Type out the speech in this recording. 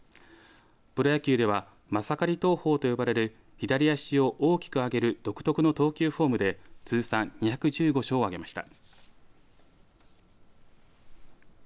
プロ野球ではマサカリ投法と呼ばれる左足を大きく上げる独特の投球フォームで通算２１５勝を挙げました。